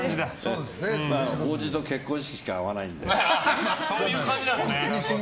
法事と結婚式しか会わないので。